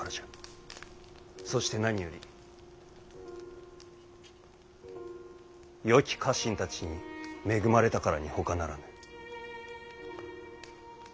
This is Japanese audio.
そして何よりよき家臣たちに恵まれたからにほかならぬ。